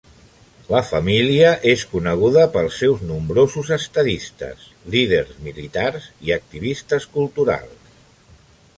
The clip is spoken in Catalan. La família és coneguda pels seus nombrosos estadistes, líders militars i activistes culturals.